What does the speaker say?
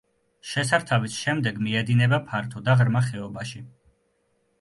შესართავის შემდეგ მიედინება ფართო და ღრმა ხეობაში.